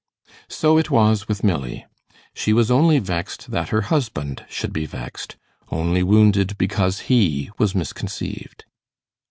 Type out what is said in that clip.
So it was with Milly. She was only vexed that her husband should be vexed only wounded because he was misconceived.